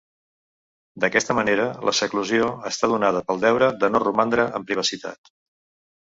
D'aquesta manera, la seclusió està donada pel deure de no romandre en privacitat.